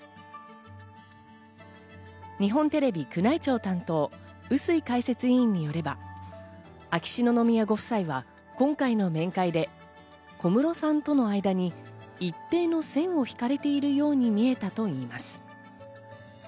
日本テレビ宮内庁担当・笛吹解説委員によれば、秋篠宮ご夫妻は今回の面会で小室さんとの間に一定の線を引かれているように見えたといいます。